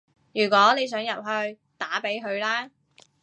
如果你想入去，打畀佢啦